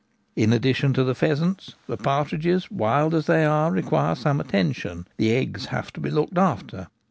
In addition to the pheasants, the partridges, wild as they are, require some attention — the eggs have to be looked after.